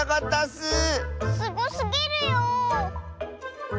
すごすぎるよ。